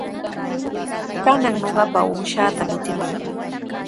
Kanan ñuqapa uushaata michimuy.